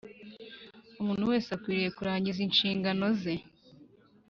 Umuntu wese akwiriye kurangiza inshingano ze